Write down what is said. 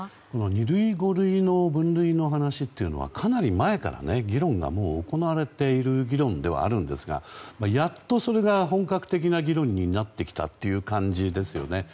二類、五類の分類の話はかなり前から行われている議論ではあるんですがやっとそれが本格的な議論になってきたという感じですよね。